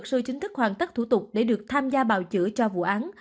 người chính thức hoàn tất thủ tục để được tham gia bào chữa cho vụ án